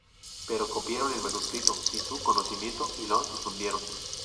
Pero copiaron el manuscrito sin su conocimiento y lo difundieron.